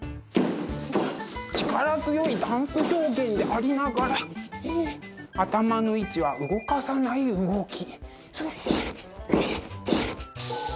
力強いダンス表現でありながらはあ頭の位置は動かさない動き。